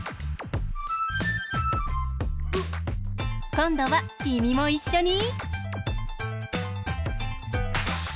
こんどはきみもいっしょに。